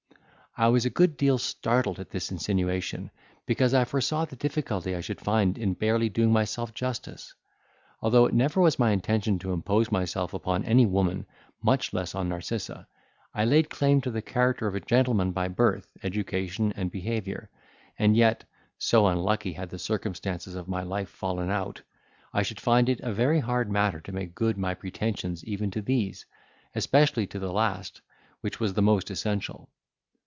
I was a good deal startled at this insinuation, because I foresaw the difficulty I should find in barely doing myself justice: for, although it never was my intention to impose myself upon any woman, much less on Narcissa, I laid claim to the character of a gentleman by birth, education, and behaviour; and yet (so unlucky had the circumstances of my life fallen out) I should find it a very hard matter to make good my pretensions even to these, especially to the last, which was the most essential.